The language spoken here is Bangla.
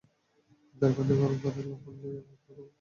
পাত্রে পানি গরম করে সামান্য লবণ দিয়ে তাতে অ্যাসপারাগাস দিয়ে দিন।